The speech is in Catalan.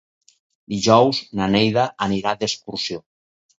Dijous na Neida anirà d'excursió.